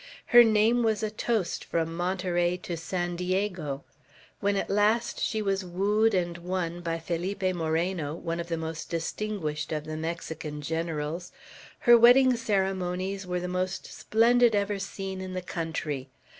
Her name was a toast from Monterey to San Diego. When at last she was wooed and won by Felipe Moreno, one of the most distinguished of the Mexican Generals, her wedding ceremonies were the most splendid ever seen in the country.